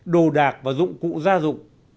đồ đạc và dụng cụ gia dụng